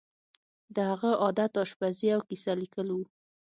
د هغه عادت آشپزي او کیسه لیکل وو